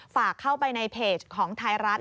ฝากเข้าไปในเพจของไทยรัฐ